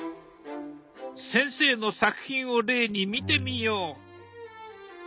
先生の作品を例に見てみよう。